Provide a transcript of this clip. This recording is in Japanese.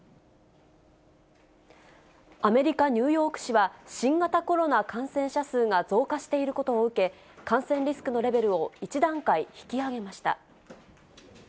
アメリカ・ニューヨーク市は、新型コロナ感染者数が増加していることを受け、感染リスクのレベルを１段階引き上げました。